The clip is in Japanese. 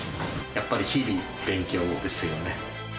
やっぱり日々、勉強ですよね。